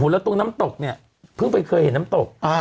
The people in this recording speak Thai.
แล้วตรงน้ำตกเนี่ยเพิ่งไปเคยเห็นน้ำตก